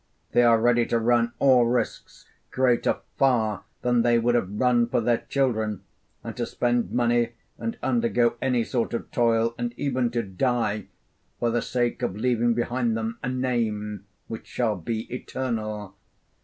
They are ready to run all risks greater far than they would have run for their children, and to spend money and undergo any sort of toil, and even to die, for the sake of leaving behind them a name which shall be eternal.